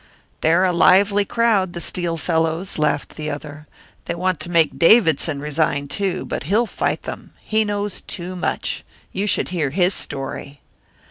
"They're a lively crowd, the Steel fellows," laughed the other. "They want to make Davidson resign, too, but he'll fight them. He knows too much! You should hear his story!"